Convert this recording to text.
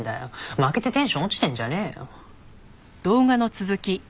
負けてテンション落ちてんじゃねえよ。